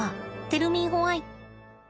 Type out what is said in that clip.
テルミーホワイ？